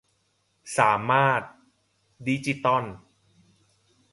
สามารถ ดิจิตอล